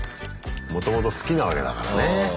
もともと好きなわけだからね。